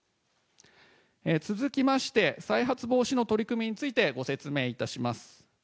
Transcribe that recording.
続きまして、再発防止の取り組みについてご説明いたします。